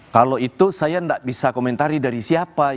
kalau itu saya tidak bisa komentari dari siapa